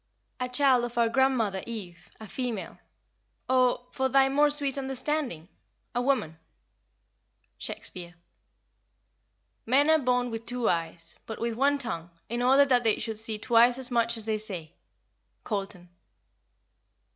"A child of our grandmother Eve, a female; or, for thy more sweet understanding, a woman." SHAKESPEARE. "Men are born with two eyes, but with one tongue, in order that they should see twice as much as they say." COLTON.